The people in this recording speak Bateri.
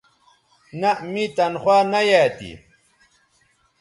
نہء می تنخوا نہ یایئ تھی